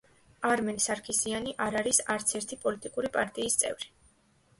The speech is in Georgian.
არმენ სარქისიანი არ არის არც ერთი პოლიტიკური პარტიის წევრი.